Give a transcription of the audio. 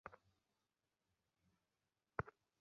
কিন্তু, সে লম্বা চুল আছে এমন মেয়েদের অপহরণ করছে।